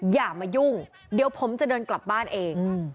อย่ามายุ่งเดี๋ยวผมจะเดินกลับบ้านเอง